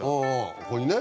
ここにね。